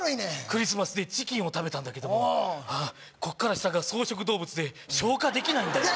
クリスマスでチキンを食べたんだけどもこっから下が草食動物で消化できないんだよ